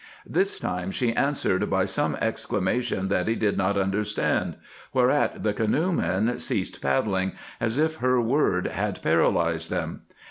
This time she answered by some exclamation that he did not understand, whereat the canoemen ceased paddling, as if her word had paralyzed them.